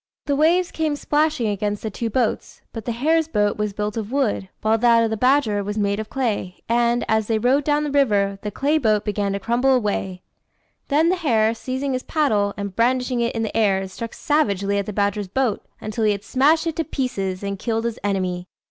The waves came plashing against the two boats; but the hare's boat was built of wood, while that of the badger was made of clay, and, as they rowed down the river, the clay boat began to crumble away; then the hare, seizing his paddle, and brandishing it in the air, struck savagely at the badger's boat, until he had smashed it to pieces, and killed his enemy.